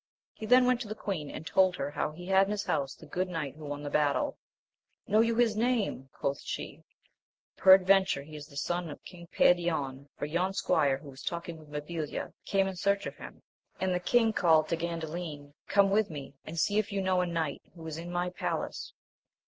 He then went to the queen, and told her how he had in his house the good knight who won the battle. Know you his name? quoth she : peradventure he is the son of King Perion, for yon Squire who is talking with Mabilia came in search of him. And the king called to Gandalin, Come with me, and see if you know a knight who is in my palace.